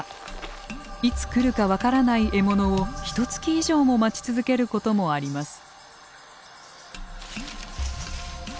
いつ来るか分からない獲物をひとつき以上も待ち続けることもあります。